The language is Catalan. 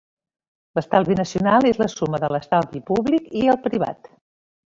L'estalvi nacional és la suma de l'estalvi públic i el privat.